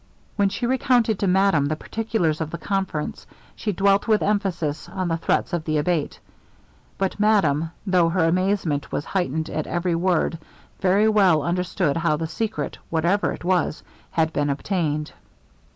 When she recounted to madame the particulars of the conference, she dwelt with emphasis on the threats of the Abate; but madame, though her amazement was heightened at every word, very well understood how the secret, whatever it was, had been obtained.